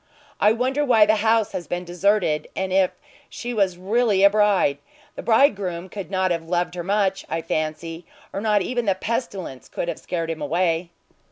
I wonder why the house has been deserted, and if she was really a bride. The bridegroom could not have loved her much, I fancy, or not even the pestilence could have scared him away."